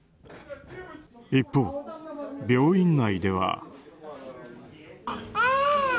一方、病院内では。